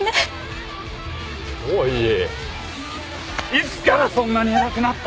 いつからそんなに偉くなったんだよ？